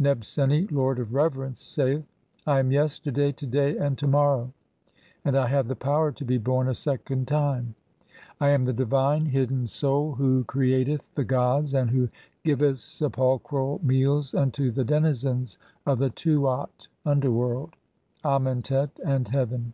Nebseni, the lord of reverence, saith :— (2) "I am Yesterday, To day, and To morrow, [and I have] the "power (3) to be born a second time ; [I am] the divine hidden "Soul who createth the gods, and who giveth sepulchral meals "unto the denizens of theTuat (underworld), Amentet, and heaven.